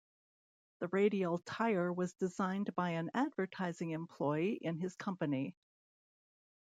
The radial tire was designed by an advertising employee in his company.